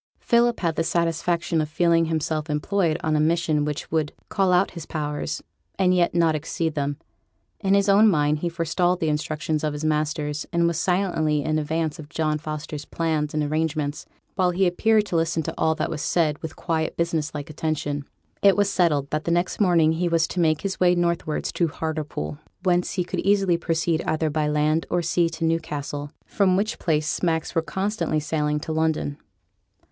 Philip had the satisfaction of feeling himself employed on a mission which would call out his powers, and yet not exceed them. In his own mind he forestalled the instructions of his masters, and was silently in advance of John Foster's plans and arrangements, while he appeared to listen to all that was said with quiet business like attention. It was settled that the next morning he was to make his way northwards to Hartlepool, whence he could easily proceed either by land or sea to Newcastle, from which place smacks were constantly sailing to London.